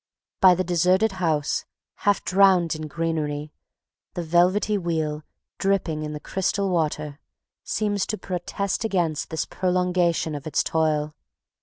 By the deserted house, half drowned in greenery, the velvety wheel, dipping in the crystal water, seems to protest against this prolongation of its toil.